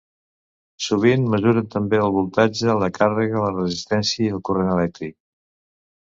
Sovint mesuren també el voltatge, la càrrega, la resistència i el corrent elèctric.